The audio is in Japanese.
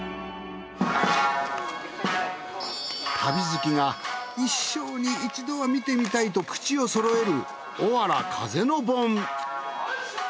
旅好きが一生に一度は見てみたいと口をそろえる。